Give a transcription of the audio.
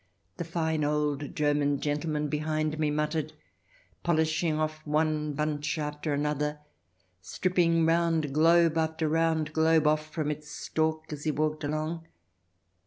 the fine old German gentleman behind me muttered, polish ing off one bunch after another, stripping round globe after round globe off from its stalk as he walked along.